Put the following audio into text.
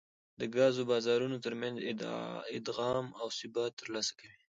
د ګازو بازارونو ترمنځ ادغام او ثبات ترلاسه کوي